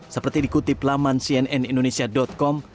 seperti dikutip laman cnnindonesia com